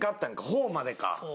「４」までか。